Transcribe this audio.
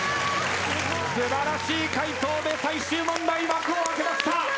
素晴らしい回答で最終問題幕を開けました。